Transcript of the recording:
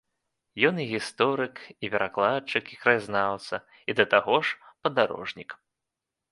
Ён і гісторык, і перакладчык, і краязнаўца, і да таго ж падарожнік.